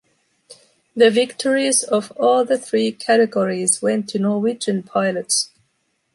The victories of all the three categories went to Norwegian pilots.